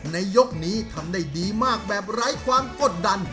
ในยกนี้ทำได้ดีมากแบบไร้ความกดดัน